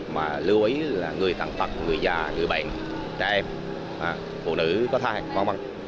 mà lưu ý là người thằng tật người già người bạn trẻ em phụ nữ có thai mong mong